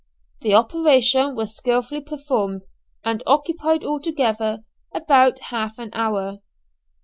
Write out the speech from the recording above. The operation was skilfully performed, and occupied altogether about half an hour.